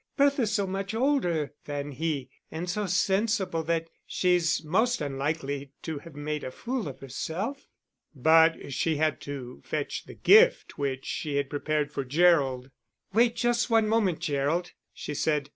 Bertha's so much older than he and so sensible that she's most unlikely to have made a fool of herself." But she had to fetch the gift which she had prepared for Gerald. "Wait just one moment, Gerald," she said.